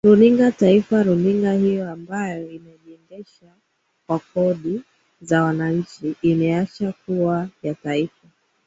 runinga taifa runinga hiyo ambayo inajiendesha kwa kodi za wananchi imeacha kuwa ya taifa